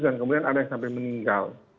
dan kemudian ada yang sampai meninggal